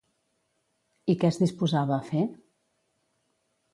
I què es disposava a fer?